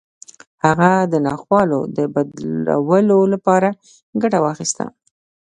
هغه د ناخوالو د بدلولو لپاره ګټه واخيسته.